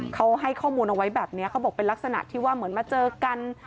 เขาให้ข้อมูลเอาไว้แบบนี้เขาบอกเป็นลักษณะที่ว่าเหมือนมาเจอกัน